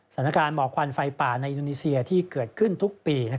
หมอกควันไฟป่าในอินโดนีเซียที่เกิดขึ้นทุกปี